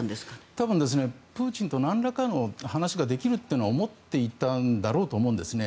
多分、プーチンとなんらかの話ができると思っていたんだろうと思うんですね。